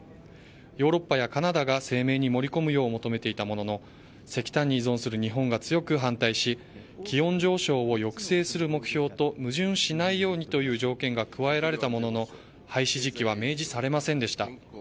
ヨーロッパやカナダが声明に盛り込むよう求めていたものの石炭に依存する日本が強く反対し気温上昇を抑制する目標と矛盾しないようにという条件が加えられたものの廃止時期は明示されませんでした。